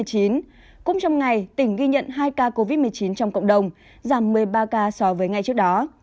cũng trong ngày tỉnh ghi nhận hai ca covid một mươi chín trong cộng đồng giảm một mươi ba ca so với ngày trước đó